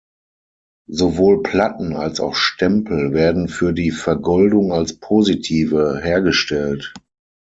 Sowohl Platten als auch Stempel werden für die Vergoldung als Positive hergestellt.